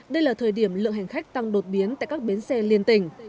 đây là thời điểm lượng hành khách tăng đột biến tại các bến xe liên tỉnh